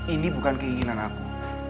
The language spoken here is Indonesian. ini bukan keinginan aku